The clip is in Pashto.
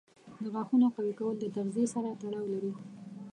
د غاښونو قوي کول د تغذیې سره تړاو لري.